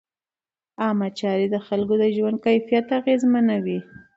عامه چارې د خلکو د ژوند کیفیت اغېزمنوي.